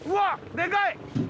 でかい！